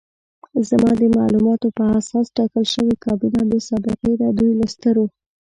زما د معلوماتو په اساس ټاکل شوې کابینه بې سابقې ده، دوی له سترو